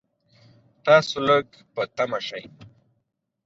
تاسو لږ په طمعه شئ.